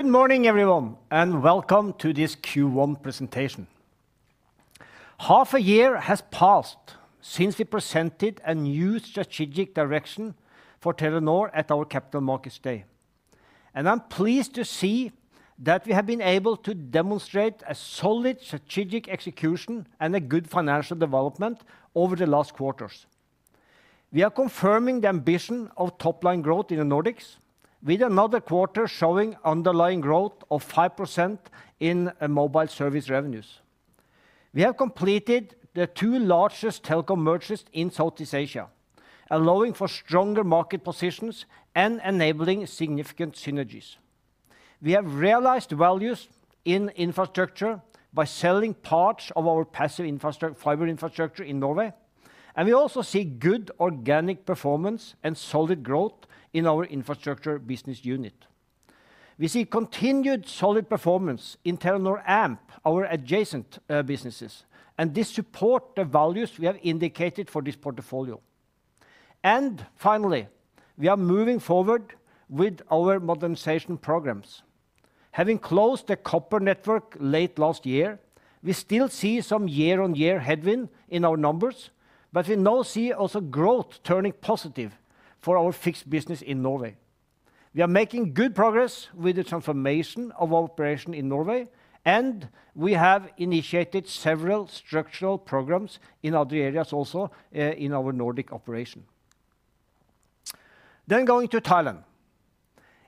Good morning, everyone, and welcome to this Q1 presentation. Half a year has passed since we presented a new strategic direction for Telenor at our Capital Markets Day, and I'm pleased to see that we have been able to demonstrate a solid strategic execution and a good financial development over the last quarters. We are confirming the ambition of top-line growth in the Nordics with another quarter showing underlying growth of 5% in mobile service revenues. We have completed the two largest telecom mergers in Southeast Asia, allowing for stronger market positions and enabling significant synergies. We have realized values in infrastructure by selling parts of our passive fiber infrastructure in Norway, and we also see good organic performance and solid growth in our infrastructure business unit. We see continued solid performance in Telenor Amp, our adjacent businesses, this support the values we have indicated for this portfolio. Finally, we are moving forward with our modernization programs. Having closed the copper network late last year, we still see some year-on-year headwind in our numbers, we now see also growth turning positive for our fixed business in Norway. We are making good progress with the transformation of operation in Norway, we have initiated several structural programs in other areas also in our Nordic operation. Going to Thailand.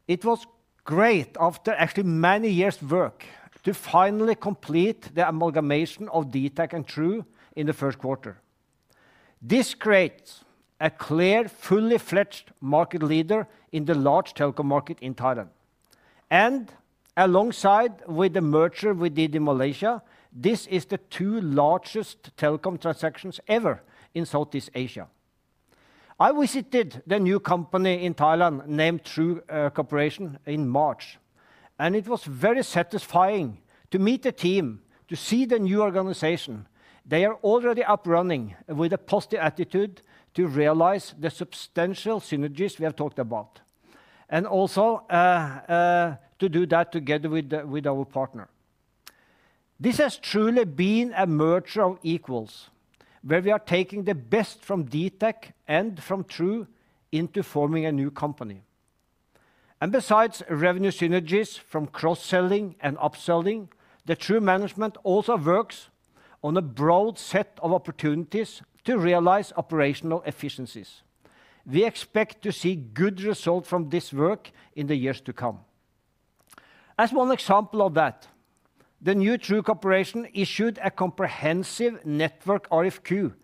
It was great after actually many years work to finally complete the amalgamation of dtac and True in the 1st quarter. This creates a clear, fully-fledged market leader in the large telecom market in Thailand. Alongside with the merger we did in Malaysia, this is the two largest telecom transactions ever in Southeast Asia. I visited the new company in Thailand, named True Corporation, in March, it was very satisfying to meet the team, to see the new organization. They are already up running with a positive attitude to realize the substantial synergies we have talked about, also to do that together with our partner. This has truly been a merger of equals, where we are taking the best from dtac and from True into forming a new company. Besides revenue synergies from cross-selling and upselling, the True management also works on a broad set of opportunities to realize operational efficiencies. We expect to see good results from this work in the years to come. One example of that, the new True Corporation issued a comprehensive network RFQ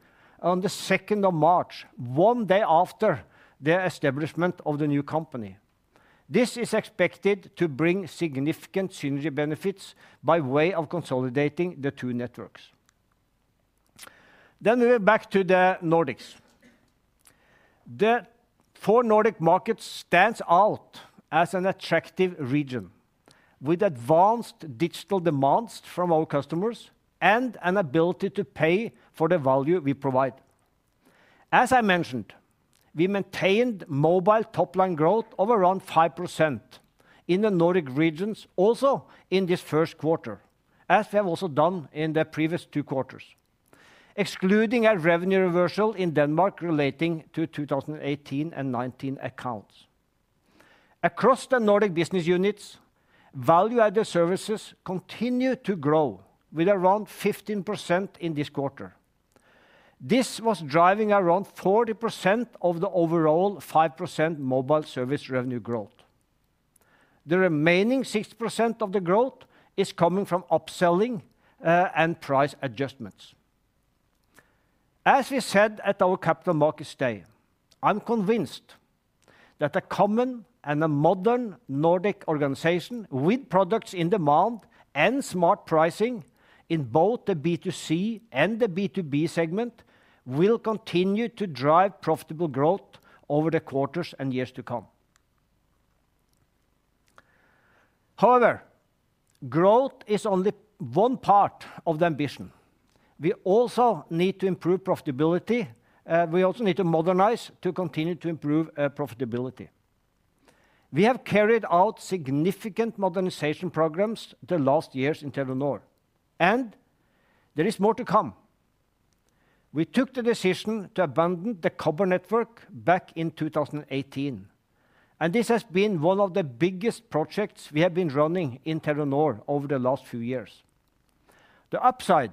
on the 2nd of March, one day after the establishment of the new company. This is expected to bring significant synergy benefits by way of consolidating the two networks. We are back to the Nordics. The four Nordic markets stands out as an attractive region with advanced digital demands from our customers and an ability to pay for the value we provide. As I mentioned, we maintained mobile top-line growth of around 5% in the Nordic regions also in this 1st quarter, as we have also done in the previous two quarters, excluding a revenue reversal in Denmark relating to 2018 and 2019 accounts. Across the Nordic business units, value-added services continued to grow with around 15% in this quarter. This was driving around 40% of the overall 5% mobile service revenue growth. The remaining 60% of the growth is coming from upselling and price adjustments. As we said at our Capital Markets Day, I'm convinced that a common and a modern Nordic organization with products in demand and smart pricing in both the B2C and the B2B segment will continue to drive profitable growth over the quarters and years to come. However, growth is only one part of the ambition. We also need to improve profitability. We also need to modernize to continue to improve profitability. We have carried out significant modernization programs the last years in Telenor, and there is more to come. We took the decision to abandon the copper network back in 2018. This has been one of the biggest projects we have been running in Telenor over the last few years. The upside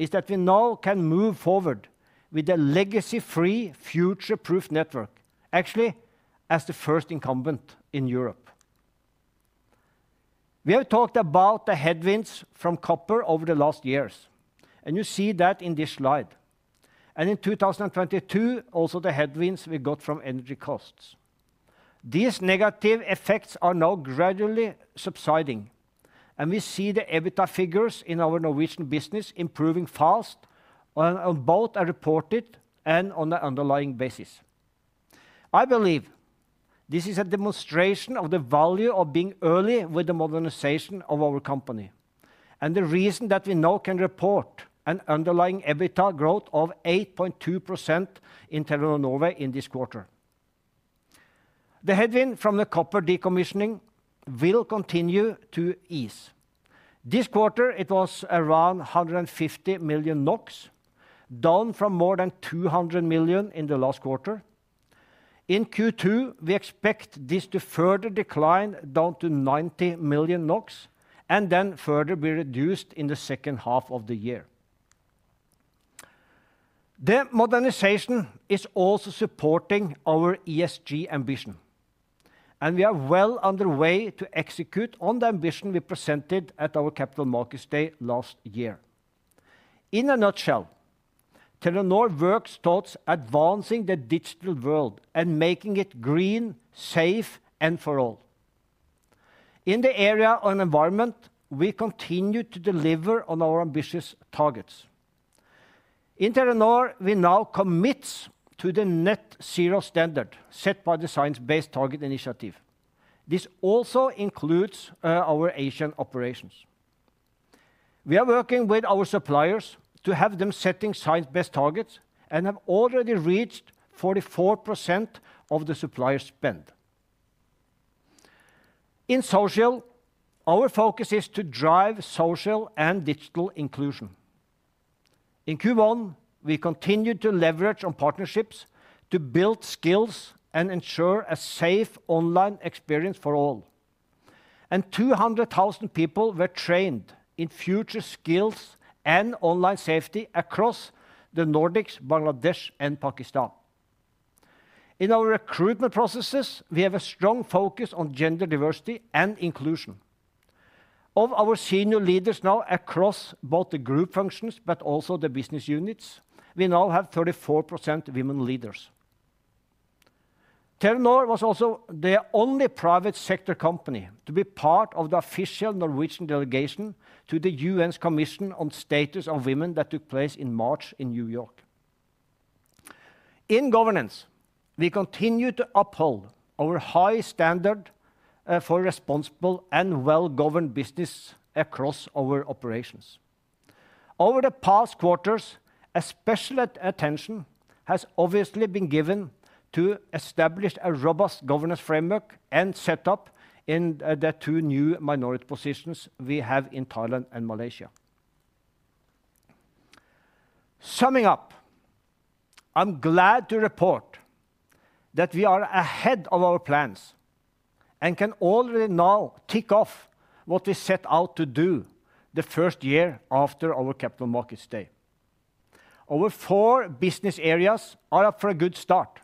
is that we now can move forward with a legacy-free future-proof network, actually as the first incumbent in Europe. We have talked about the headwinds from copper over the last years, and you see that in this slide. In 2022, also the headwinds we got from energy costs. These negative effects are now gradually subsiding, and we see the EBITDA figures in our Norwegian business improving fast on both a reported and on the underlying basis. I believe this is a demonstration of the value of being early with the modernization of our company. The reason that we now can report an underlying EBITDA growth of 8.2% in Telenor Norway in this quarter. The headwind from the copper decommissioning will continue to ease. This quarter, it was around 150 million NOK, down from more than 200 million NOK in the last quarter. In Q2, we expect this to further decline down to 90 million NOK and then further be reduced in the second half of the year. The modernization is also supporting our ESG ambition, and we are well underway to execute on the ambition we presented at our Capital Markets Day last year. In a nutshell, Telenor works towards advancing the digital world and making it green, safe, and for all. In the area on environment, we continue to deliver on our ambitious targets. In Telenor, we now commit to the net-zero standard set by the Science Based Targets initiative. This also includes our Asian operations. We are working with our suppliers to have them setting science-based targets and have already reached 44% of the supplier spend. In social, our focus is to drive social and digital inclusion. In Q1, we continued to leverage on partnerships to build skills and ensure a safe online experience for all. 200,000 people were trained in future skills and online safety across the Nordics, Bangladesh, and Pakistan. In our recruitment processes, we have a strong focus on gender diversity and inclusion. Of our senior leaders now across both the group functions, but also the business units, we now have 34% women leaders. Telenor was also the only private sector company to be part of the official Norwegian delegation to the UN's Commission on the Status of Women that took place in March in New York. In governance, we continue to uphold our high standard for responsible and well-governed business across our operations. Over the past quarters, a special attention has obviously been given to establish a robust governance framework and set up in the two new minority positions we have in Thailand and Malaysia. Summing up, I'm glad to report that we are ahead of our plans and can already now tick off what we set out to do the 1st year after our Capital Markets Day. Our four business areas are off for a good start.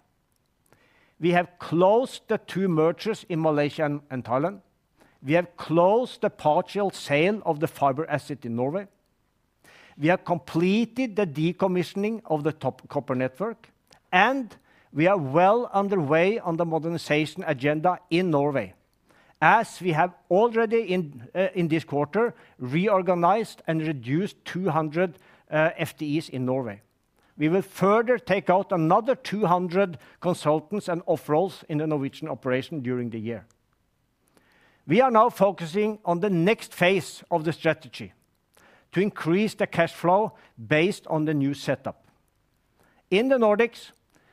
We have closed the two mergers in Malaysia and Thailand. We have closed the partial sale of the fiber asset in Norway. We have completed the decommissioning of the top copper network, we are well underway on the modernization agenda in Norway, as we have already in this quarter reorganized and reduced 200 FTEs in Norway. We will further take out another 200 consultants and off roles in the Norwegian operation during the year. We are now focusing on the next phase of the strategy to increase the cash flow based on the new setup. In the Nordics,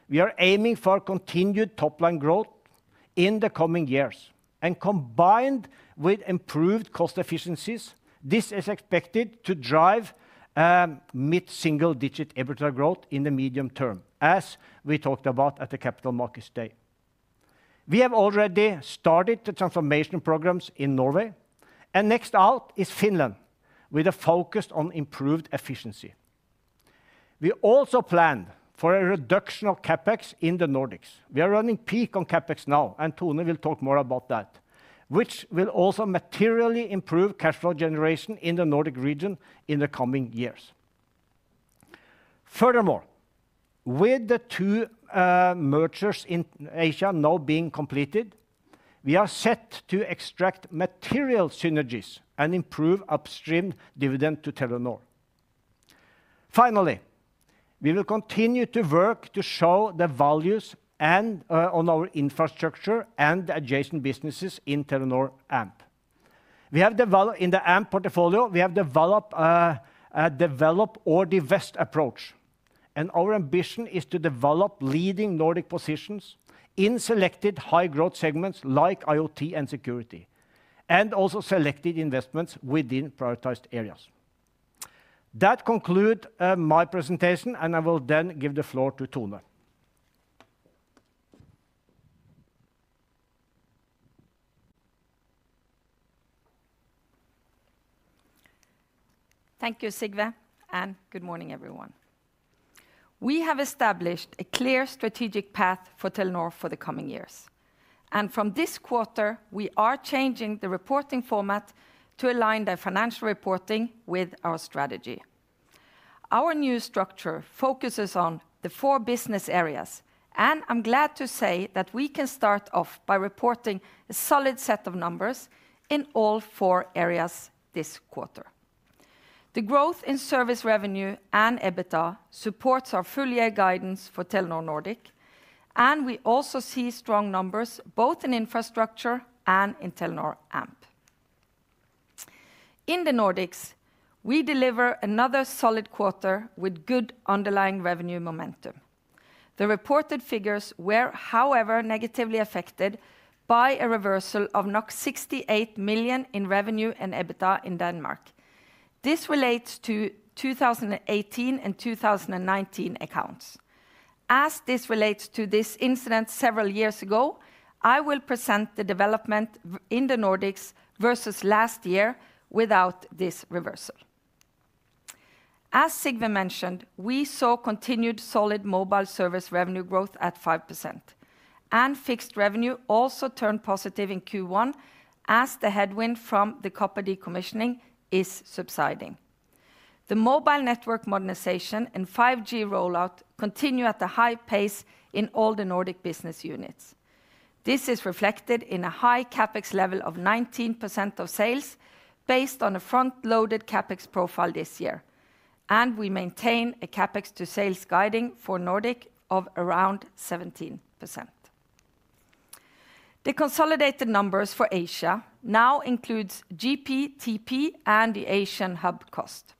we are aiming for continued top-line growth in the coming years, combined with improved cost efficiencies, this is expected to drive mid-single digit EBITDA growth in the medium term, as we talked about at the Capital Markets Day. We have already started the transformation programs in Norway, next out is Finland, with a focus on improved efficiency. We also plan for a reduction of CapEx in the Nordics. We are running peak on CapEx now, and Tone will talk more about that, which will also materially improve cash flow generation in the Nordic region in the coming years. Furthermore, with the two mergers in Asia now being completed, we are set to extract material synergies and improve upstream dividend to Telenor. Finally, we will continue to work to show the values and on our infrastructure and adjacent businesses in Telenor Amp. In the Amp portfolio, we have a develop or divest approach, and our ambition is to develop leading Nordic positions in selected high-growth segments like IoT and security, and also selected investments within prioritized areas. That conclude my presentation, and I will then give the floor to Tone. Thank you, Sigve. Good morning, everyone. We have established a clear strategic path for Telenor for the coming years. From this quarter, we are changing the reporting format to align the financial reporting with our strategy. Our new structure focuses on the four business areas. I'm glad to say that we can start off by reporting a solid set of numbers in all four areas this quarter. The growth in service revenue and EBITDA supports our full year guidance for Telenor Nordic. We also see strong numbers both in infrastructure and in Telenor Amp. In the Nordics, we deliver another solid quarter with good underlying revenue momentum. The reported figures were, however, negatively affected by a reversal of 68 million in revenue and EBITDA in Denmark. This relates to 2018 and 2019 accounts. As this relates to this incident several years ago, I will present the development in the Nordics versus last year without this reversal. As Sigve mentioned, we saw continued solid mobile service revenue growth at 5%, and fixed revenue also turned positive in Q1 as the headwind from the copper decommissioning is subsiding. The mobile network modernization and 5G rollout continue at a high pace in all the Nordic business units. This is reflected in a high CapEx level of 19% of sales based on a front-loaded CapEx profile this year, and we maintain a CapEx to sales guiding for Nordic of around 17%. The consolidated numbers for Asia now includes GP, TP, and the Asian hub cost.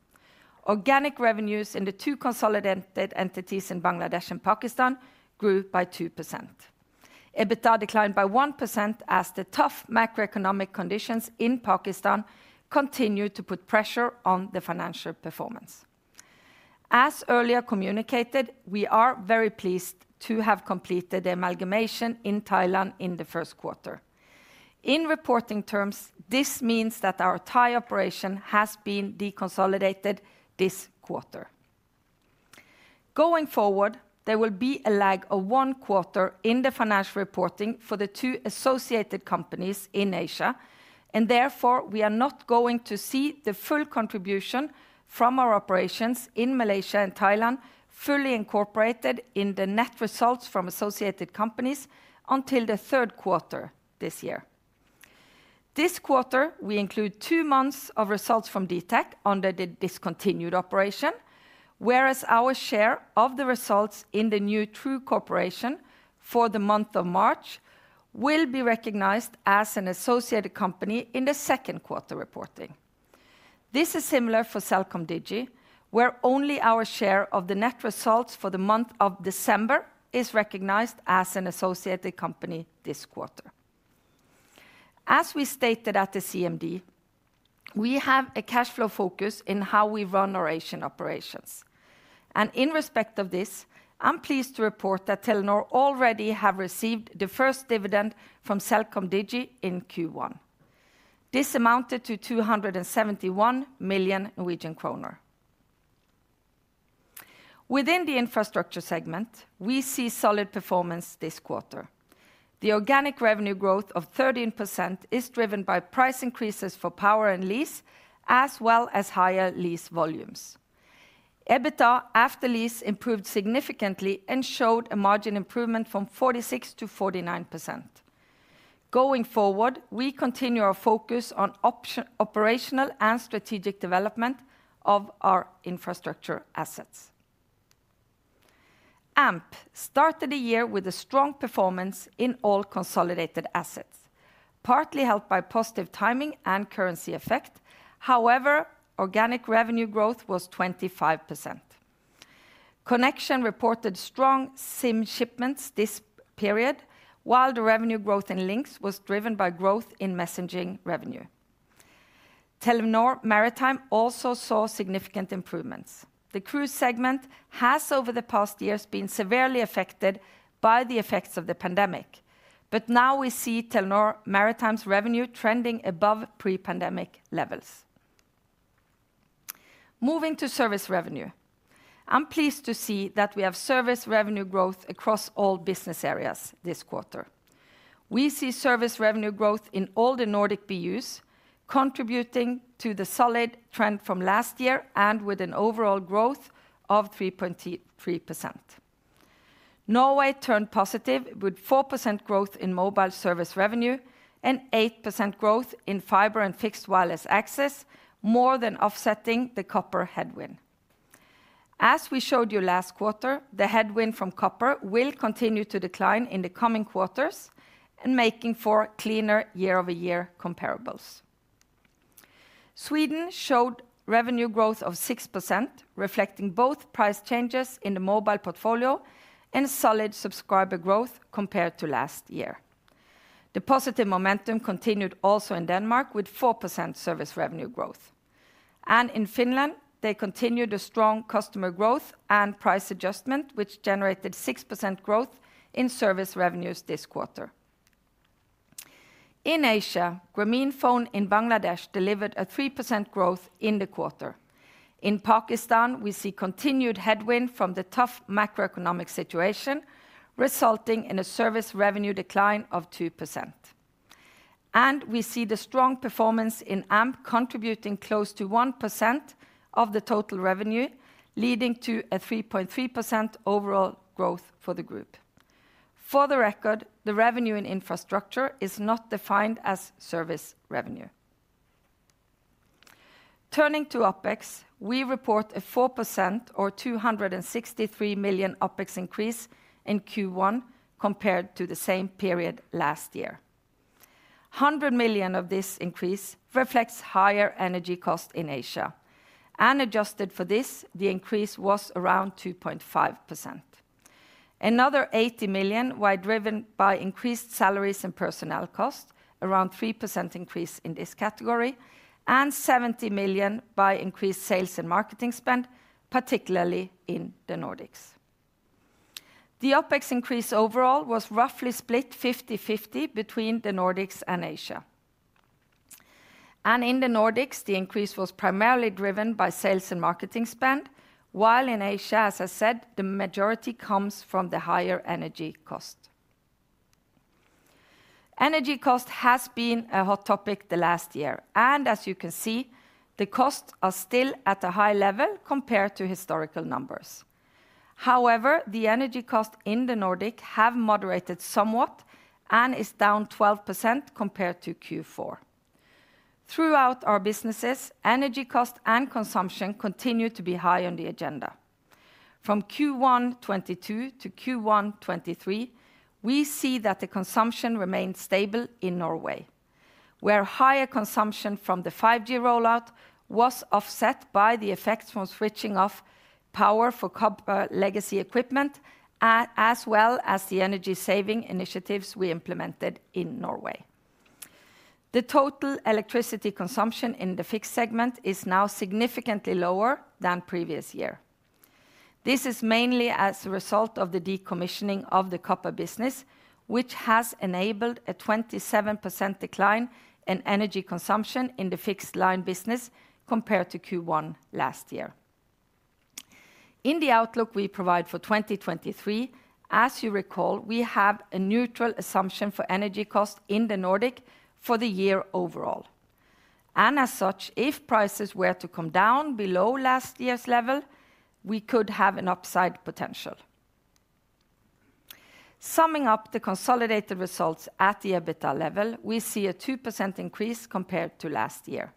Organic revenues in the two consolidated entities in Bangladesh and Pakistan grew by 2%. EBITDA declined by 1% as the tough macroeconomic conditions in Pakistan continued to put pressure on the financial performance. As earlier communicated, we are very pleased to have completed the amalgamation in Thailand in the first quarter. In reporting terms, this means that our Thai operation has been deconsolidated this quarter. Going forward, there will be a lag of one quarter in the financial reporting for the two associated companies in Asia, and therefore we are not going to see the full contribution from our operations in Malaysia and Thailand fully incorporated in the net results from associated companies until the third quarter this year. This quarter we include two months of results from dtac under the discontinued operation, whereas our share of the results in the new True Corporation for the month of March will be recognized as an associated company in the second quarter reporting. This is similar for CelcomDigi, where only our share of the net results for the month of December is recognized as an associated company this quarter. As we stated at the CMD, we have a cash flow focus in how we run our Asian operations. In respect of this, I'm pleased to report that Telenor already have received the first dividend from CelcomDigi in Q1. This amounted to 271 million Norwegian kroner. Within the infrastructure segment, we see solid performance this quarter. The organic revenue growth of 13% is driven by price increases for power and lease, as well as higher lease volumes. EBITDA after lease improved significantly and showed a margin improvement from 46%-49%. Going forward, we continue our focus on operational and strategic development of our infrastructure assets. Amp started the year with a strong performance in all consolidated assets, partly helped by positive timing and currency effect. Organic revenue growth was 25%. Connexion reported strong SIM shipments this period, while the revenue growth in Linx was driven by growth in messaging revenue. Telenor Maritime also saw significant improvements. The cruise segment has, over the past years, been severely affected by the effects of the pandemic, but now we see Telenor Maritime's revenue trending above pre-pandemic levels. Moving to service revenue, I'm pleased to see that we have service revenue growth across all business areas this quarter. We see service revenue growth in all the Nordic BUs contributing to the solid trend from last year and with an overall growth of 3%. Norway turned positive with 4% growth in mobile service revenue and 8% growth in fiber and Fixed Wireless Access, more than offsetting the copper headwind. As we showed you last quarter, the headwind from copper will continue to decline in the coming quarters and making for cleaner year-over-year comparables. Sweden showed revenue growth of 6%, reflecting both price changes in the mobile portfolio and solid subscriber growth compared to last year. The positive momentum continued also in Denmark with 4% service revenue growth. In Finland, they continued a strong customer growth and price adjustment, which generated 6% growth in service revenues this quarter. In Asia, Grameenphone in Bangladesh delivered a 3% growth in the quarter. In Pakistan, we see continued headwind from the tough macroeconomic situation resulting in a service revenue decline of 2%. We see the strong performance in Amp contributing close to 1% of the total revenue, leading to a 3.3% overall growth for the group. For the record, the revenue in infrastructure is not defined as service revenue. Turning to OpEx, we report a 4% or 263 million OpEx increase in Q1 compared to the same period last year. 100 million of this increase reflects higher energy cost in Asia, and adjusted for this, the increase was around 2.5%. Another 80 million were driven by increased salaries and personnel costs, around 3% increase in this category, and 70 million by increased sales and marketing spend, particularly in the Nordics. The OpEx increase overall was roughly split 50/50 between the Nordics and Asia. In the Nordics, the increase was primarily driven by sales and marketing spend, while in Asia, as I said, the majority comes from the higher energy cost. Energy cost has been a hot topic the last year, and as you can see, the costs are still at a high level compared to historical numbers. However, the energy cost in the Nordic have moderated somewhat and is down 12% compared to Q4. Throughout our businesses, energy cost and consumption continue to be high on the agenda. From Q1 2022 to Q1 2023, we see that the consumption remains stable in Norway, where higher consumption from the 5G rollout was offset by the effects from switching off power for copper legacy equipment as well as the energy saving initiatives we implemented in Norway. The total electricity consumption in the fixed segment is now significantly lower than previous year. This is mainly as a result of the decommissioning of the copper business, which has enabled a 27% decline in energy consumption in the fixed line business compared to Q1 last year. In the outlook we provide for 2023, as you recall, we have a neutral assumption for energy cost in the Nordic for the year overall. As such, if prices were to come down below last year's level, we could have an upside potential. Summing up the consolidated results at the EBITDA level, we see a 2% increase compared to last year.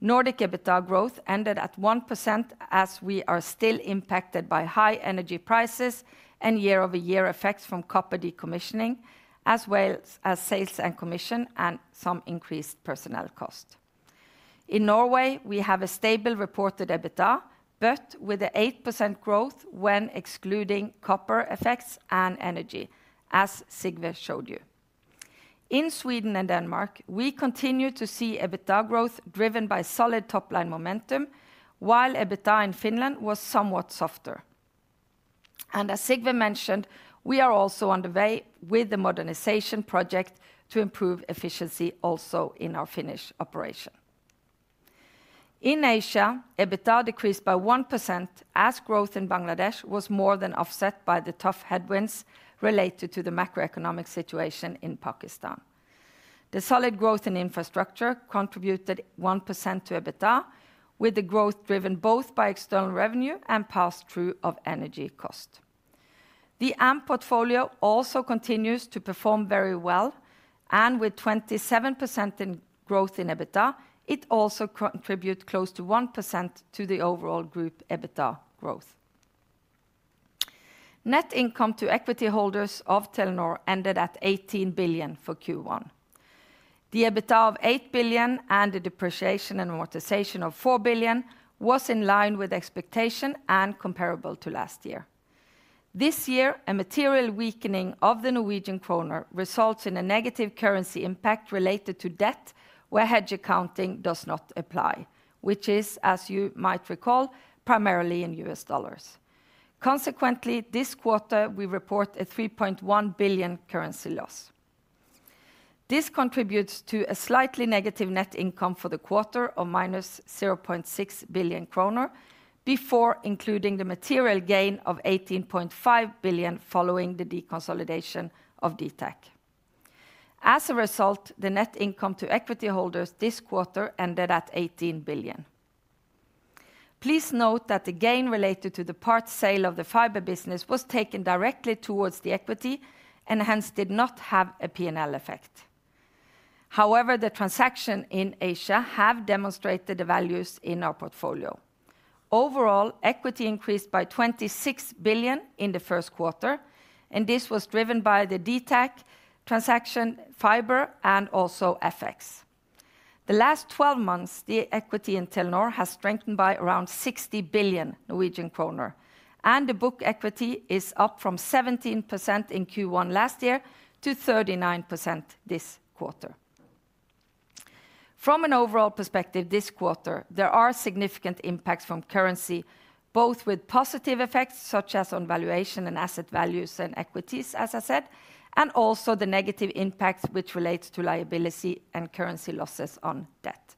Nordic EBITDA growth ended at 1% as we are still impacted by high energy prices and year-over-year effects from copper decommissioning, as well as sales and commission and some increased personnel costs. In Norway, we have a stable reported EBITDA, with the 8% growth when excluding copper effects and energy, as Sigve showed you. In Sweden and Denmark, we continue to see EBITDA growth driven by solid top-line momentum, while EBITDA in Finland was somewhat softer. As Sigve mentioned, we are also on the way with the modernization project to improve efficiency also in our Finnish operation. In Asia, EBITDA decreased by 1% as growth in Bangladesh was more than offset by the tough headwinds related to the macroeconomic situation in Pakistan. The solid growth in infrastructure contributed 1% to EBITDA, with the growth driven both by external revenue and pass-through of energy cost. The AMP portfolio also continues to perform very well, with 27% in growth in EBITDA, it also contribute close to 1% to the overall group EBITDA growth. Net income to equity holders of Telenor ended at 18 billion for Q1. The EBITDA of 8 billion and the depreciation and amortization of 4 billion was in line with expectation and comparable to last year. This year, a material weakening of the Norwegian kroner results in a negative currency impact related to debt where hedge accounting does not apply, which is, as you might recall, primarily in US dollars. This quarter, we report a 3.1 billion currency loss. This contributes to a slightly negative net income for the quarter of -0.6 billion kroner before including the material gain of 18.5 billion following the deconsolidation of dtac. The net income to equity holders this quarter ended at 18 billion. Please note that the gain related to the part sale of the fiber business was taken directly towards the equity and hence did not have a P&L effect. The transaction in Asia have demonstrated the values in our portfolio. Equity increased by 26 billion NOK in the first quarter. This was driven by the dtac transaction fiber and also FX. The last 12 months, the equity in Telenor has strengthened by around 60 billion Norwegian kroner. The book equity is up from 17% in Q1 last year to 39% this quarter. From an overall perspective this quarter, there are significant impacts from currency, both with positive effects, such as on valuation and asset values and equities, as I said, and also the negative impact which relates to liability and currency losses on debt.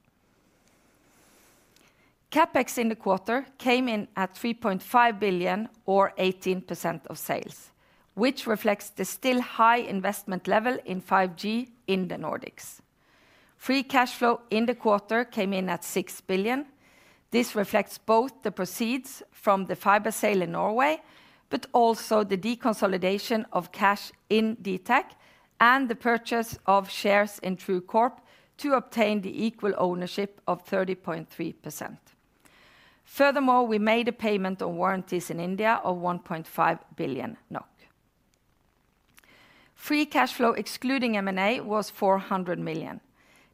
CapEx in the quarter came in at 3.5 billion or 18% of sales, which reflects the still high investment level in 5G in the Nordics. Free cash flow in the quarter came in at 6 billion. This reflects both the proceeds from the fiber sale in Norway, but also the deconsolidation of cash in dtac and the purchase of shares in True Corp to obtain the equal ownership of 30.3%. Furthermore, we made a payment on warranties in India of 1.5 billion NOK. Free cash flow excluding M&A was 400 million.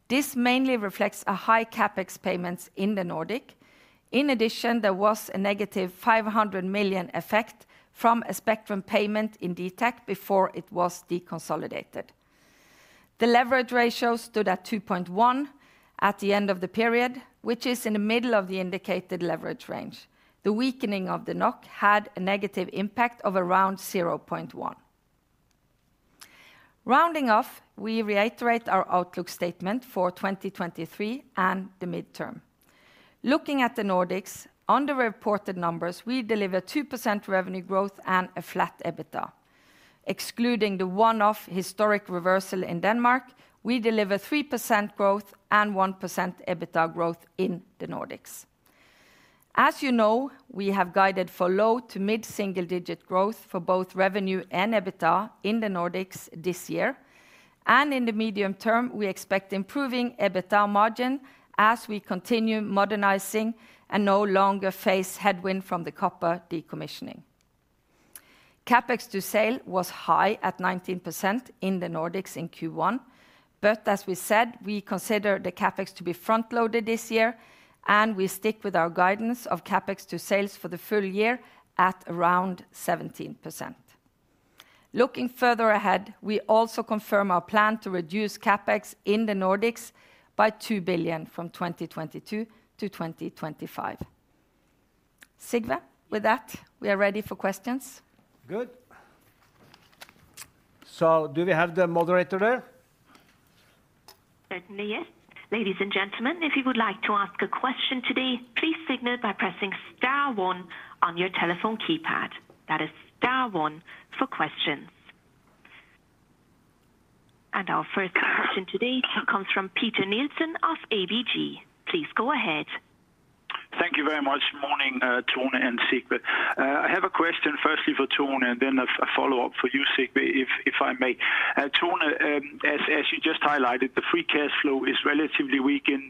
This mainly reflects a high CapEx payments in the Nordics. In addition, there was a -500 million effect from a spectrum payment in dtac before it was deconsolidated. The leverage ratio stood at 2.1 at the end of the period, which is in the middle of the indicated leverage range. The weakening of the NOK had a negative impact of around 0.1. Rounding off, we reiterate our outlook statement for 2023 and the midterm. Looking at the Nordics on the reported numbers, we deliver 2% revenue growth and a flat EBITDA. Excluding the one-off historic reversal in Denmark, we deliver 3% growth and 1% EBITDA growth in the Nordics. As you know, we have guided for low to mid-single digit growth for both revenue and EBITDA in the Nordics this year. In the medium term, we expect improving EBITDA margin as we continue modernizing and no longer face headwind from the copper decommissioning. CapEx to sale was high at 19% in the Nordics in Q1. As we said, we consider the CapEx to be front-loaded this year, we stick with our guidance of CapEx to sales for the full year at around 17%. Looking further ahead, we also confirm our plan to reduce CapEx in the Nordics by 2 billion from 2022 to 2025. Sigve, with that, we are ready for questions. Good. Do we have the moderator there? Certainly, yes. Ladies and gentlemen, if you would like to ask a question today, please signal by pressing star one on your telephone keypad. That is star one for questions. Our first question today comes from Peter Nielsen of ABG. Please go ahead. Thank you very much. Morning, Tone and Sigve. I have a question firstly for Tone and then a follow-up for you, Sigve, if I may. Tone, as you just highlighted, the free cash flow is relatively weak in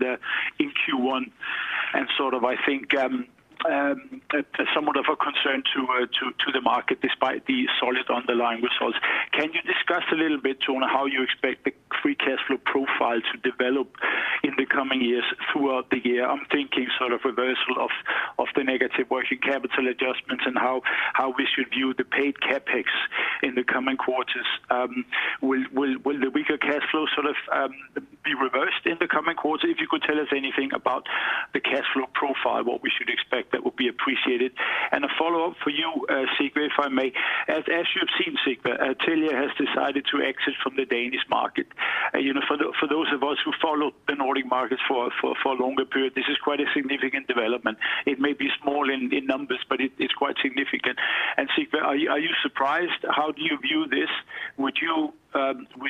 Q1 and sort of, I think, somewhat of a concern to the market despite the solid underlying results. Can you discuss a little bit, Tone, how you expect the free cash flow profile to develop in the coming years throughout the year? I'm thinking sort of reversal of the negative working capital adjustments and how we should view the paid CapEx in the coming quarters. Will the weaker cash flow sort of be reversed in the coming quarters? If you could tell us anything about the cash flow profile, what we should expect, that would be appreciated. A follow-up for you, Sigve, if I may. As you've seen, Sigve, Telia has decided to exit from the Danish market. You know, for those of us who follow the Nordic markets for a longer period, this is quite a significant development. It may be small in numbers, but it's quite significant. Sigve, are you surprised? How do you view this? Would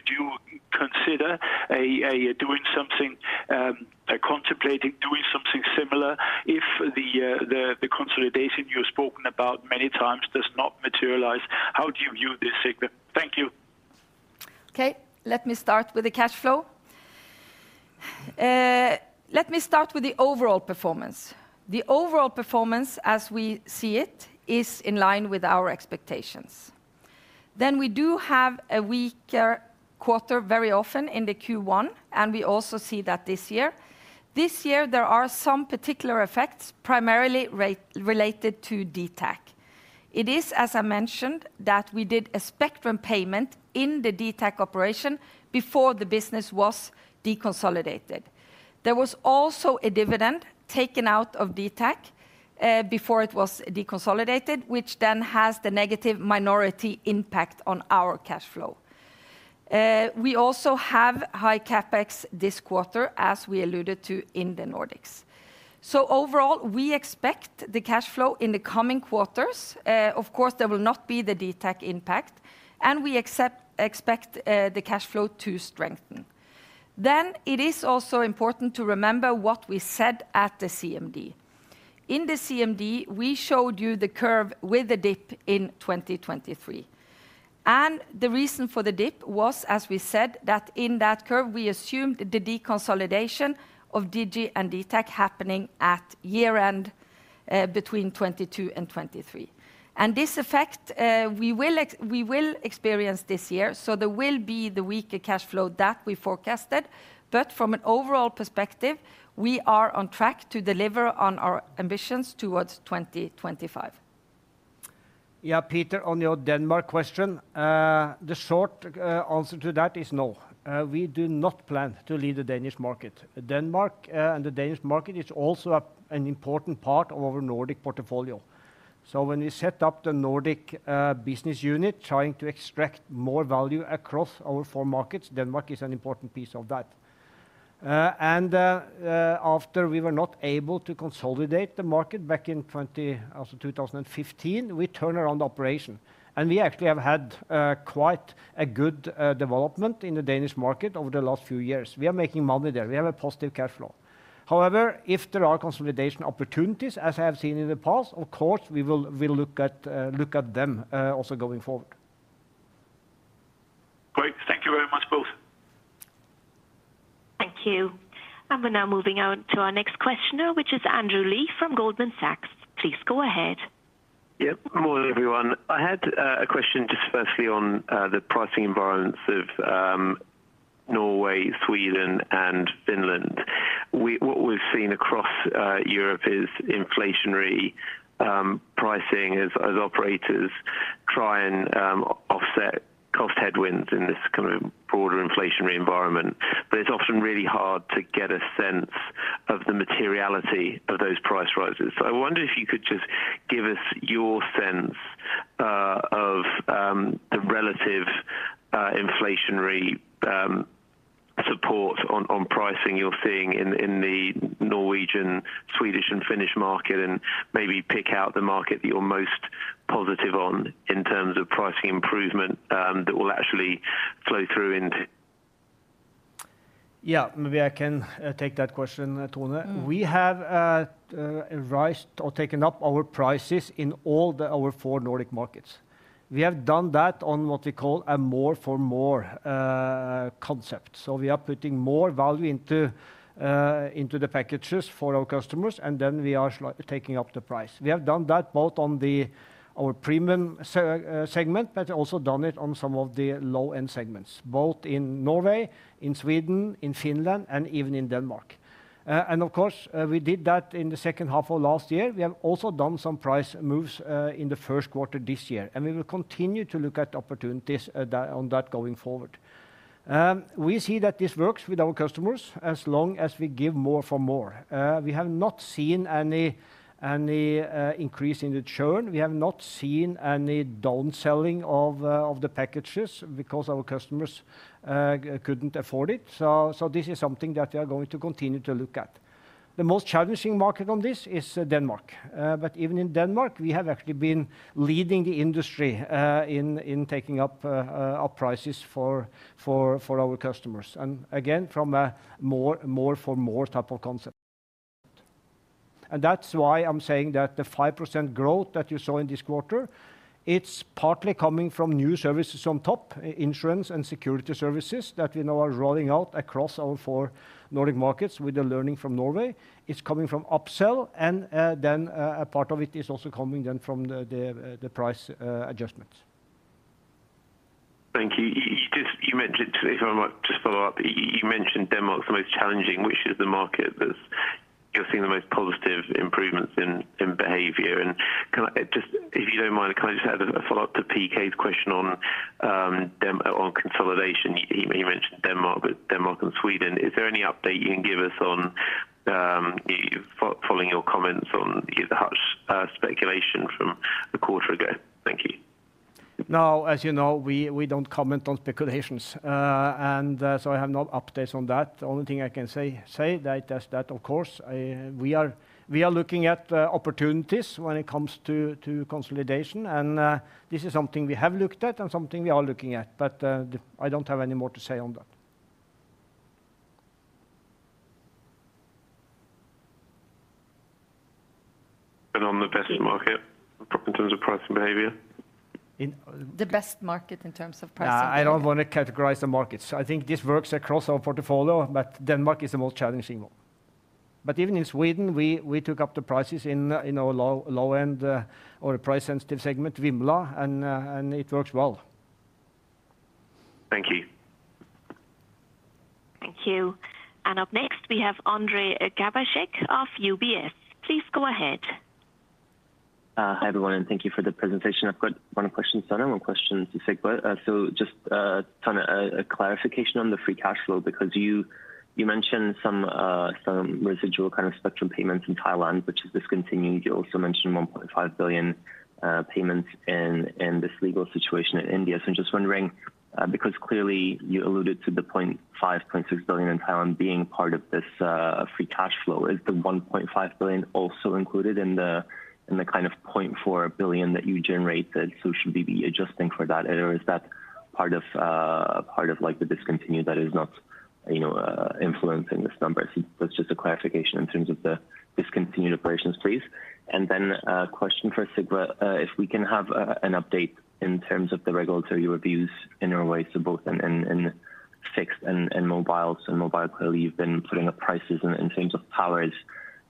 you consider doing something, contemplating doing something similar if the consolidation you've spoken about many times does not materialize? How do you view this, Sigve? Thank you. Okay, let me start with the cash flow. Let me start with the overall performance. The overall performance as we see it is in line with our expectations. We do have a weaker quarter very often in the Q1, and we also see that this year. This year, there are some particular effects, primarily related to dtac. It is, as I mentioned, that we did a spectrum payment in the dtac operation before the business was deconsolidated. There was also a dividend taken out of dtac before it was deconsolidated, which then has the negative minority impact on our cash flow. We also have high CapEx this quarter, as we alluded to in the Nordics. Overall, we expect the cash flow in the coming quarters. Of course, there will not be the dtac impact, and we expect the cash flow to strengthen. It is also important to remember what we said at the CMD. In the CMD, we showed you the curve with the dip in 2023. The reason for the dip was, as we said, that in that curve, we assumed the deconsolidation of Digi and dtac happening at year-end, between 22 and 23. This effect, we will experience this year. There will be the weaker cash flow that we forecasted. From an overall perspective, we are on track to deliver on our ambitions towards 2025. Yeah, Peter, on your Denmark question, the short answer to that is no. We do not plan to leave the Danish market. Denmark and the Danish market is also an important part of our Nordic portfolio. When we set up the Nordic Business Unit trying to extract more value across our four markets, Denmark is an important piece of that. After we were not able to consolidate the market back in 2015, we turn around the operation. We actually have had quite a good development in the Danish market over the last few years. We are making money there. We have a positive cash flow. However, if there are consolidation opportunities, as I have seen in the past, of course we'll look at them also going forward. Great. Thank you very much, both. Thank you. We're now moving on to our next questioner, which is Andrew Lee from Goldman Sachs. Please go ahead. Yep. Morning, everyone. I had a question just firstly on the pricing environments of Norway, Sweden, and Finland. What we've seen across Europe is inflationary pricing as operators try and offset cost headwinds in this kind of broader inflationary environment. It's often really hard to get a sense of the materiality of those price rises. I wonder if you could just give us your sense of the relative inflationary support on pricing you're seeing in the Norwegian, Swedish, and Finnish market, and maybe pick out the market that you're most positive on in terms of pricing improvement that will actually flow through into... Yeah. Maybe I can take that question, Tone. Mm. We have raised or taken up our prices in all our four Nordic markets. We have done that on what we call a more-for-more concept. We are putting more value into the packages for our customers, and then we are taking up the price. We have done that both on our premium segment, but also done it on some of the low-end segments, both in Norway, in Sweden, in Finland, and even in Denmark. Of course, we did that in the second half of last year. We have also done some price moves in the first quarter this year, and we will continue to look at opportunities on that going forward. We see that this works with our customers as long as we give more-for-more. We have not seen any increase in the churn. We have not seen any down selling of the packages because our customers couldn't afford it. This is something that we are going to continue to look at. The most challenging market on this is Denmark. But even in Denmark, we have actually been leading the industry in taking up our prices for our customers, and again, from a more-for-more type of concept. That's why I'm saying that the 5% growth that you saw in this quarter, it's partly coming from new services on top, insurance and security services that we now are rolling out across our four Nordic markets with the learning from Norway. It's coming from upsell and, then, a part of it is also coming then from the price adjustments. Thank you. You just mentioned, if I might just follow up, you mentioned Denmark's the most challenging. Which is the market that's you're seeing the most positive improvements in behavior? Can I just, if you don't mind, can I just add a follow-up to Peter's question on consolidation? You mentioned Denmark, but Denmark and Sweden. Is there any update you can give us on following your comments on the hush speculation from a quarter ago? Thank you. No. As you know, we don't comment on speculations. I have no updates on that. The only thing I can say that is that of course, we are looking at opportunities when it comes to consolidation and this is something we have looked at and something we are looking at. I don't have any more to say on that. On the best market in terms of pricing behavior? In- The best market in terms of pricing behavior. I don't wanna categorize the markets. I think this works across our portfolio, but Denmark is the most challenging one. Even in Sweden, we took up the prices in our low, low-end, or price-sensitive segment, Vimla, and it works well. Thank you. Thank you. Up next we have Ondrej Cabejsek of UBS. Please go ahead. Hi, everyone, thank you for the presentation. I've got one question, Tone, and one question to Sigve. Just, Tone, a clarification on the free cash flow, because you mentioned some residual kind of spectrum payments in Thailand which have discontinued. You also mentioned 1.5 billion payments in this legal situation in India. Just wondering, because clearly you alluded to the 0.5 billion, 0.6 billion in Thailand being part of this free cash flow. Is the 1.5 billion also included in the kind of 0.4 billion that you generate then? Should we be adjusting for that, or is that part of like the discontinued that is not, you know, influencing this number? That's just a clarification in terms of the discontinued operations, please. A question for Sigve. If we can have an update in terms of the regulatory reviews in Norway, both in fixed and mobile. Mobile clearly you've been putting up prices and in terms of powers,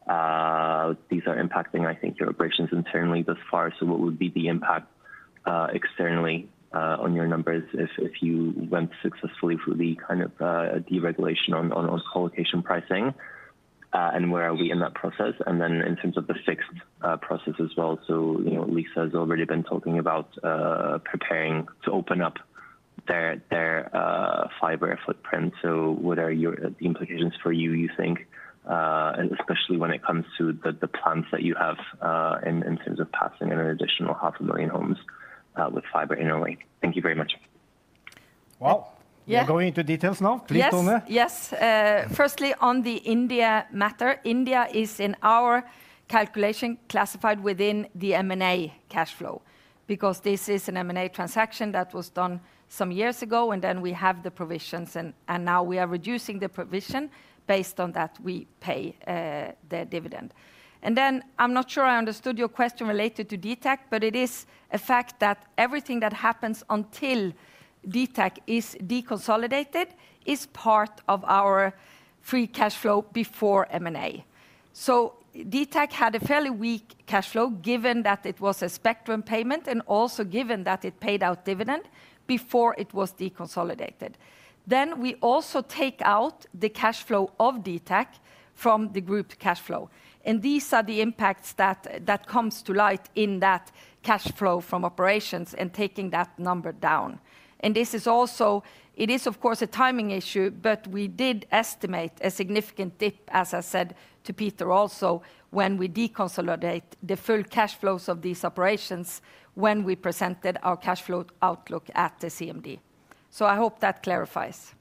these are impacting, I think, your operations internally thus far. What would be the impact, externally, on your numbers if you went successfully through the kind of deregulation on co-location pricing? Where are we in that process? In terms of the fixed process as well. You know, Lyse's already been talking about preparing to open up their fiber footprint. What are the implications for you think, especially when it comes to the plans that you have in terms of passing an additional 500,000 homes with fiber interlink? Thank you very much. Well- Yeah. ...we're going into details now. Yes. Please, Tone. Yes. Firstly, on the India matter. India is in our calculation classified within the M&A cash flow because this is an M&A transaction that was done some years ago, and then we have the provisions and now we are reducing the provision. Based on that, we pay their dividend. I'm not sure I understood your question related to dtac, but it is a fact that everything that happens until dtac is deconsolidated is part of our free cash flow before M&A. dtac had a fairly weak cash flow given that it was a spectrum payment and also given that it paid out dividend before it was deconsolidated. We also take out the cash flow of dtac from the group cash flow, and these are the impacts that comes to light in that cash flow from operations and taking that number down. This is also... It is of course a timing issue, but we did estimate a significant dip, as I said to Peter also, when we deconsolidate the full cash flows of these operations when we presented our cash flow outlook at the CMD. I hope that clarifies.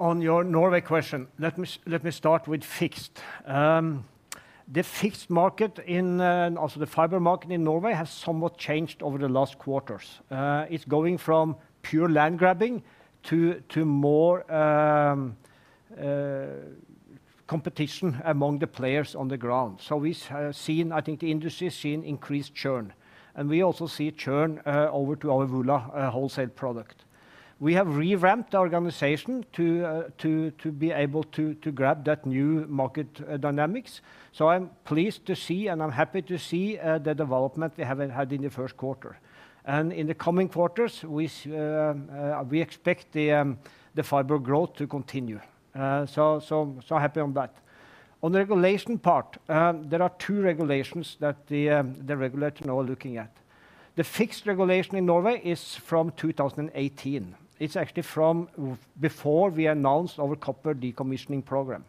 On your Norway question, let me start with fixed. The fixed market in, also the fiber market in Norway has somewhat changed over the last quarters. It's going from pure land grabbing to more competition among the players on the ground. We have seen, I think the industry has seen increased churn, and we also see churn over to our Vula wholesale product. We have revamped the organization to be able to grab that new market dynamics. I'm pleased to see and I'm happy to see the development we have, had in the first quarter. In the coming quarters we expect the fiber growth to continue. Happy on that. On the regulation part, there are two regulations that the regulator now are looking at. The fixed regulation in Norway is from 2018. It's actually from before we announced our copper decommissioning program.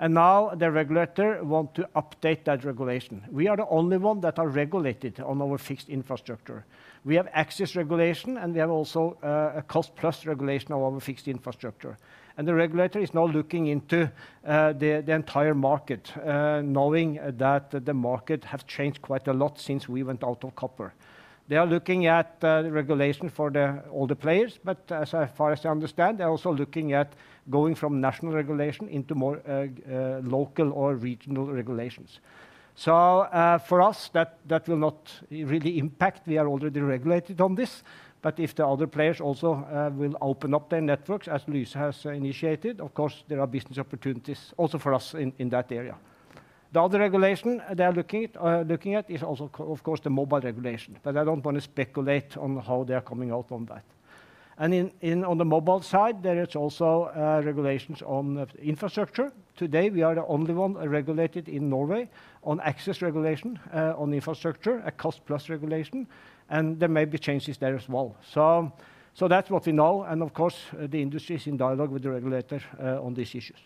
Now the regulator want to update that regulation. We are the only one that are regulated on our fixed infrastructure. We have access regulation, and we have also a cost-plus regulation of our fixed infrastructure. The regulator is now looking into the entire market, knowing that the market has changed quite a lot since we went out of copper. They are looking at regulation for the older players, but as far as I understand, they're also looking at going from national regulation into more local or regional regulations. For us, that will not really impact. We are already regulated on this, but if the other players also will open up their networks as Lyse has initiated, of course there are business opportunities also for us in that area. The other regulation they are looking at, are looking at is also of course the mobile regulation, but I don't want to speculate on how they are coming out on that. In, in, on the mobile side, there is also regulations on the infrastructure. Today, we are the only one regulated in Norway on access regulation on infrastructure, a cost-plus regulation, and there may be changes there as well. That's what we know, and of course, the industry is in dialogue with the regulator on these issues.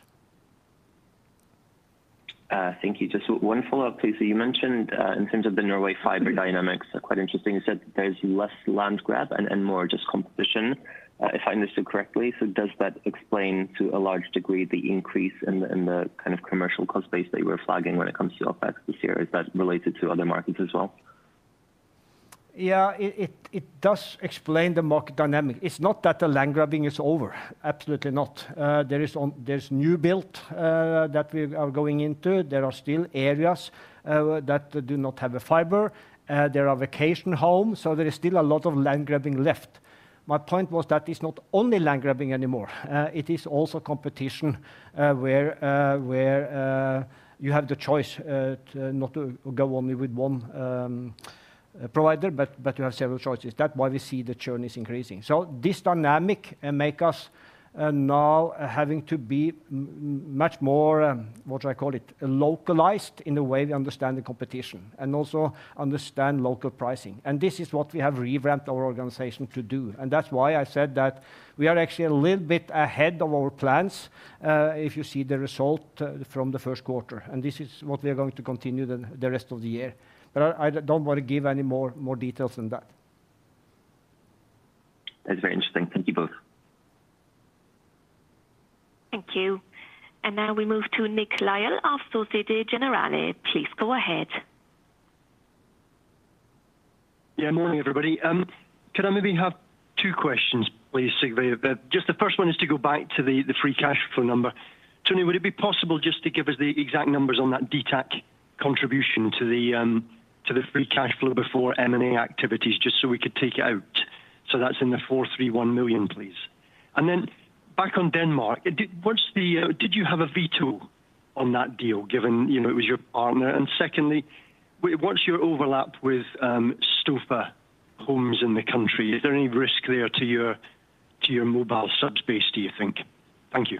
Thank you. Just one follow-up, please. You mentioned in terms of the Norway fiber dynamics, quite interesting. You said that there's less land grab and more just competition if I understood correctly. Does that explain, to a large degree, the increase in the kind of commercial cost base that you were flagging when it comes to OpEx this year? Is that related to other markets as well? Yeah. It does explain the market dynamic. It's not that the land grabbing is over. Absolutely not. There's new build that we are going into. There are still areas that do not have the fiber. There are vacation homes. There is still a lot of land grabbing left. My point was that it's not only land grabbing anymore. It is also competition where you have the choice to not to go only with one provider, but you have several choices. That why we see the churn is increasing. This dynamic make us now having to be much more, what do I call it? Localized in the way we understand the competition and also understand local pricing. This is what we have revamped our organization to do. That's why I said that we are actually a little bit ahead of our plans, if you see the result, from the first quarter, and this is what we are going to continue the rest of the year. I don't want to give any more details than that. That's very interesting. Thank you both. Thank you. Now we move to Nick Lyall of Société Générale. Please go ahead. Morning, everybody. Could I maybe have two questions please, Sigve? Just the first one is to go back to the free cash flow number. Tone, would it be possible just to give us the exact numbers on that dtac contribution to the free cash flow before M&A activities, just so we could take it out? That's in the 431 million, please. Back on Denmark, did you have a veto on that deal given, you know, it was your partner? Secondly, what's your overlap with Stofa homes in the country? Is there any risk there to your mobile subs base, do you think? Thank you.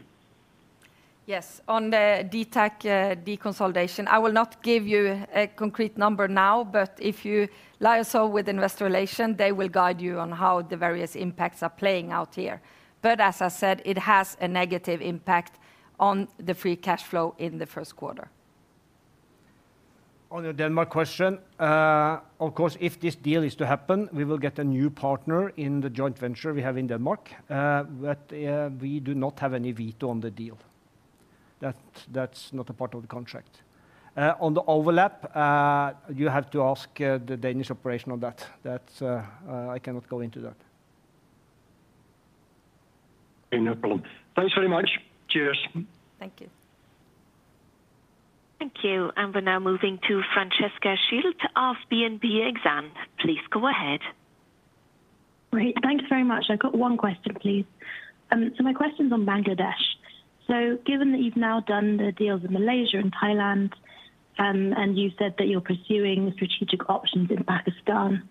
Yes. On the dtac, deconsolidation, I will not give you a concrete number now. If you liaise so with investor relation, they will guide you on how the various impacts are playing out here. As I said, it has a negative impact on the free cash flow in the first quarter. On the Denmark question, of course, if this deal is to happen, we will get a new partner in the joint venture we have in Denmark. We do not have any veto on the deal. That's, that's not a part of the contract. On the overlap, you have to ask the Danish operation on that. That, I cannot go into that. Okay. No problem. Thanks very much. Cheers. Thank you. Thank you. We're now moving to Francesca Schild to ask BNP Exane. Please go ahead. Great. Thank you very much. I've got one question, please. My question's on Bangladesh. Given that you've now done the deals in Malaysia and Thailand, and you said that you're pursuing strategic options in Pakistan,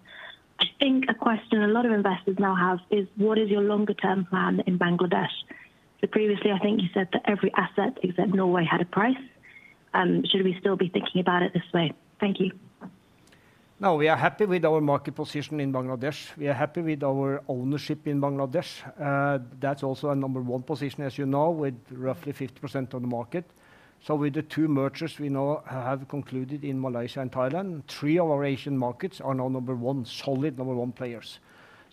I think a question a lot of investors now have is what is your longer term plan in Bangladesh? Previously, I think you said that every asset except Norway had a price. Should we still be thinking about it this way? Thank you. No. We are happy with our market position in Bangladesh. We are happy with our ownership in Bangladesh. That's also a number one position, as you know, with roughly 50% on the market. With the two mergers we now have concluded in Malaysia and Thailand, three of our Asian markets are now number one, solid number one players.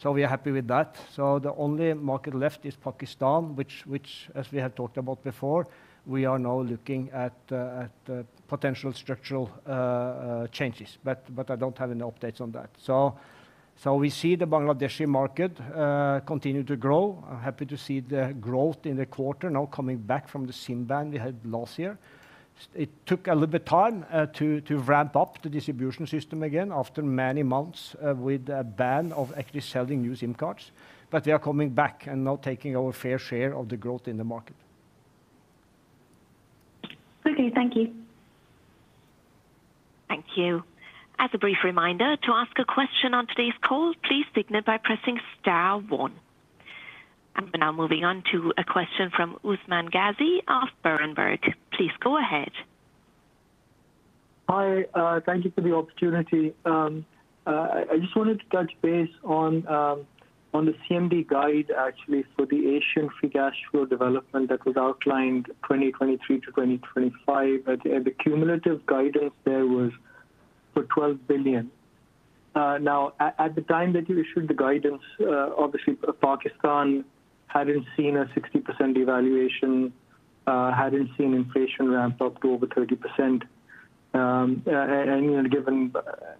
We are happy with that. The only market left is Pakistan, which, as we have talked about before, we are now looking at potential structural changes. I don't have any updates on that. We see the Bangladeshi market continue to grow. I'm happy to see the growth in the quarter now coming back from the SIM ban we had last year. It took a little bit time to ramp up the distribution system again after many months with a ban of actually selling new SIM cards. They are coming back and now taking our fair share of the growth in the market. Okay. Thank you. Thank you. As a brief reminder, to ask a question on today's call, please signal by pressing star one. We're now moving on to a question from Usman Ghazi of Berenberg. Please go ahead. Hi. Thank you for the opportunity. I just wanted to touch base on the CMD guide actually for the Asian free cash flow development that was outlined 2023 to 2025. The cumulative guidance there was for 12 billion. Now at the time that you issued the guidance, obviously Pakistan hadn't seen a 60% devaluation, hadn't seen inflation ramp up to over 30%. And given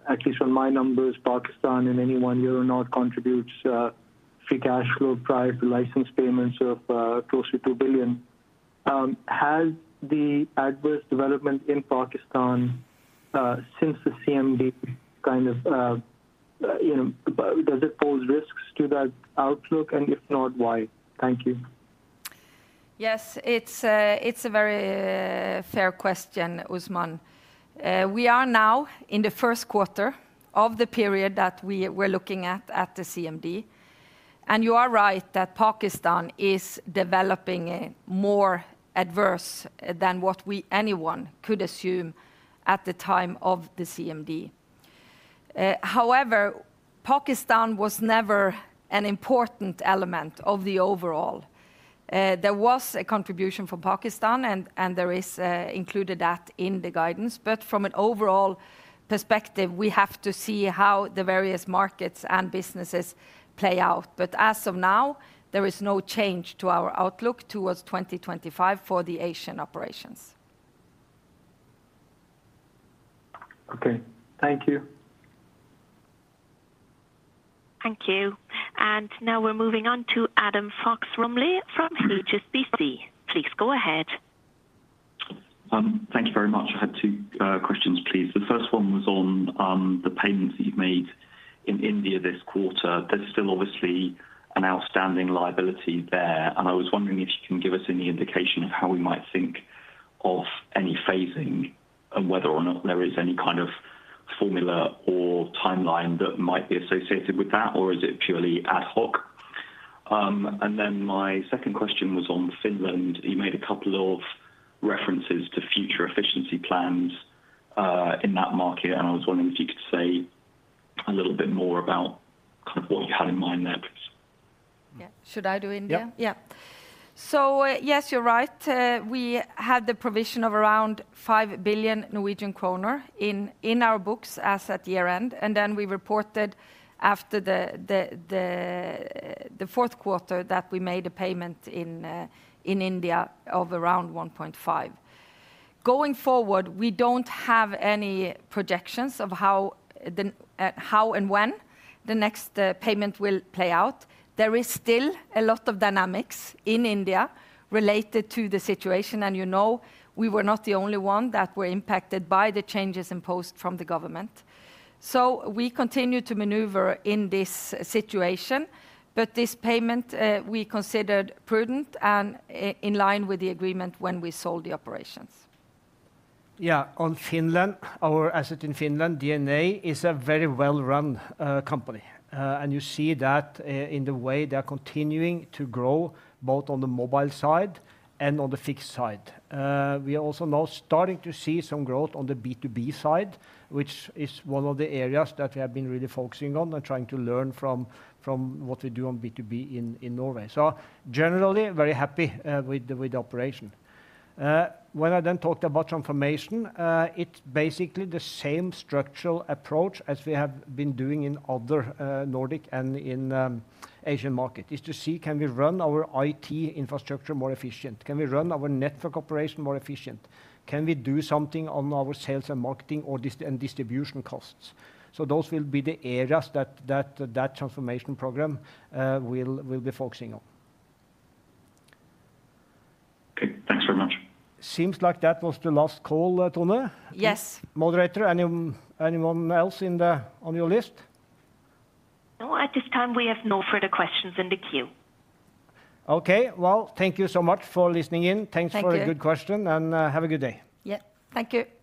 at least from my numbers, Pakistan in any one year or not contributes free cash flow prior to license payments of close to 2 billion. Has the adverse development in Pakistan since the CMD kind of, you know, does it pose risks to that outlook, and if not, why? Thank you. Yes, it's a very fair question, Usman. We are now in the first quarter of the period that we're looking at the CMD. You are right that Pakistan is developing more adverse than what anyone could assume at the time of the CMD. However, Pakistan was never an important element of the overall. There was a contribution from Pakistan and there is included that in the guidance. From an overall perspective, we have to see how the various markets and businesses play out. As of now, there is no change to our outlook towards 2025 for the Asian operations. Okay. Thank you. Thank you. Now we're moving on to Adam Fox-Rumley from HSBC. Please go ahead. Thank you very much. I had two questions, please. The first one was on the payments that you've made in India this quarter. There's still obviously an outstanding liability there. I was wondering if you can give us any indication of how we might think of any phasing and whether or not there is any kind of formula or timeline that might be associated with that, or is it purely ad hoc? My second question was on Finland. You made a couple of references to future efficiency plans in that market. I was wondering if you could say a little bit more about kind of what you had in mind there, please. Yeah. Should I do India? Yeah. Yes, you're right. We had the provision of around 5 billion Norwegian kroner in our books as at year-end. Then we reported after the fourth quarter that we made a payment in India of around 1.5 billion. Going forward, we don't have any projections of how and when the next payment will play out. There is still a lot of dynamics in India related to the situation. You know, we were not the only one that were impacted by the changes imposed from the government. We continue to maneuver in this situation. This payment, we considered prudent and in line with the agreement when we sold the operations. Yeah. On Finland, our asset in Finland, DNA is a very well-run company. You see that in the way they are continuing to grow both on the mobile side and on the fixed side. We are also now starting to see some growth on the B2B side, which is one of the areas that we have been really focusing on and trying to learn from what we do on B2B in Norway. Generally, very happy with the operation. When I then talked about transformation, it's basically the same structural approach as we have been doing in other Nordic and in Asian market, is to see can we run our IT infrastructure more efficient? Can we run our network operation more efficient? Can we do something on our sales and marketing or distribution costs? Those will be the areas that transformation program will be focusing on. Okay. Thanks very much. Seems like that was the last call, Tone. Yes. Moderator, anyone else on your list? No, at this time, we have no further questions in the queue. Okay. Well, thank you so much for listening in. Thank you. Thanks for a good question. Have a good day. Yeah. Thank you.